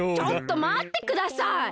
ちょっとまってください！